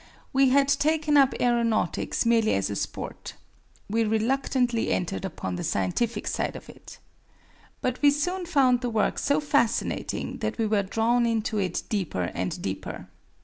We had taken up aeronautics merely as a sport. We reluctantly entered upon the scientific side of it. But we soon found the work so fascinating that we were drawn into it deeper and deeper.